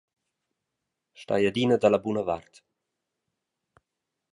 Stai adina dalla buna vart!